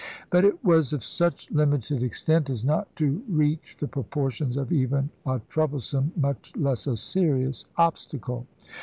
But it was of such limited extent as not to reach the proportions of even a troublesome, much less a serious, obstacle.